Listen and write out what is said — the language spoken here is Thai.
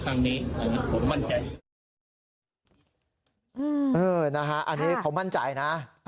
อันนี้เป็นภักดิ์ที่มั่นใจในการจับคั่ว